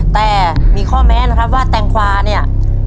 แต่มีข้อแม้นะครับว่าแตงกวาเนี่ย